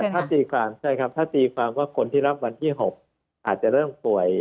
เพราะว่ามันถ้าตีความว่าคนที่รับวันที่๖อาจจะเริ่มป่วย